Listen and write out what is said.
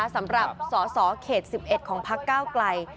สำหรับสสเขต๑๑ของพักก้าวไกล